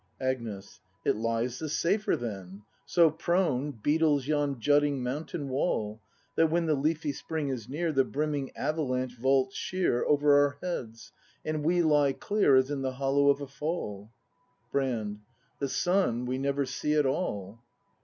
Agnes. It lies the safer, then! So prone Beetles yon jutting mountain wall, That, when the leafy spring is near The brimming avalanche vaults sheer Over our heads, and we lie clear As in the hollow of a fall. Brand. The sun we never see at all.